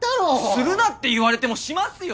するなって言われてもしますよ！